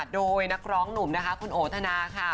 โดยนักร้องหนุ่มนะคะคุณโอธนาค่ะ